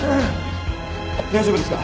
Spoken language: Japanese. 大丈夫ですか！？